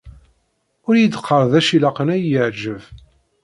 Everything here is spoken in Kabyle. Ur yi-d-qqar d acu ilaqen ad yi-yeεǧeb!